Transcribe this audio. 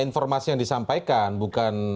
informasi yang disampaikan bukan